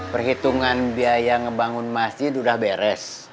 perhitungan biaya ngebangun masjid sudah beres